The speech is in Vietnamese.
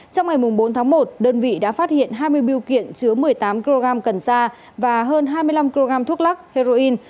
trong ngày bốn một đơn vị đã phát hiện hai mươi biểu kiện chứa một mươi tám kg cần ra và hơn hai mươi năm kg thuốc lắc heroin